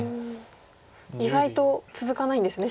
意外と続かないんですね